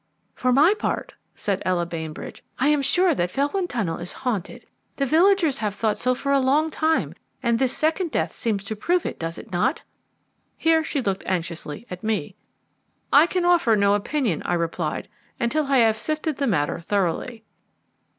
"For my part," said Ella Bainbridge, "I am sure that Felwyn Tunnel is haunted. The villagers have thought so for a long time, and this second death seems to prove it, does it not?" Here she looked anxiously at me. "I can offer no opinion," I replied, "until I have sifted the matter thoroughly."